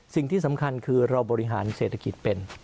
สิ่งที่สำคัญคือเราบริหารเศรษฐกิจเป็น